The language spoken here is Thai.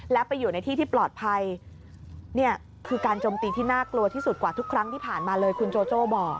และไปอยู่ในที่ที่ปลอดภัยเนี่ยคือการจมตีที่น่ากลัวที่สุดกว่าทุกครั้งที่ผ่านมาเลยคุณโจโจ้บอก